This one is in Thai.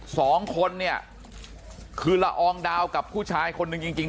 สองคนนี่คือละอองดาวกับผู้ชายคนนึงจริง